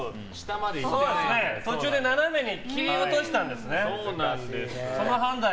途中で斜めに切り落としたんですね。